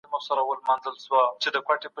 د ژوند سطحه باید عادلانه وي.